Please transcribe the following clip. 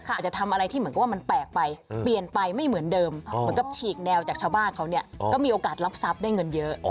อาจจะทำอะไรที่เหมือนกับว่ามันแปลกไปเปลี่ยนไปไม่เหมือนเดิมเหมือนกับฉีกแนวจากชาวบ้านเขาเนี่ยก็มีโอกาสรับทรัพย์ได้เงินเยอะ